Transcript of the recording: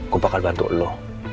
gue bakal bantu lo